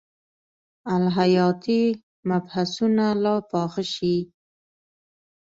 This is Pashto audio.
الهیاتي مبحثونه لا پاخه شي.